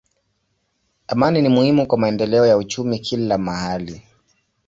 Amani ni muhimu kwa maendeleo ya uchumi kila mahali.